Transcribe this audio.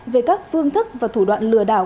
về các phương thức và thủ đoạn lừa đảo